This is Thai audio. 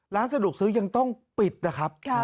ร้านสะดวกซื้อยังต้องปิดนะครับ